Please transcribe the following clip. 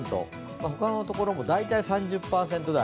他のところも大体３０％台。